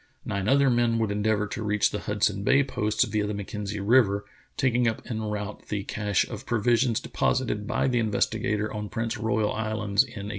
Nine other men would endeavor to reach the Hudson Bay posts via the Mackenzie River, taking up en route the cache of provisions deposited by the Investigator on Prince Royal Islands in 1850.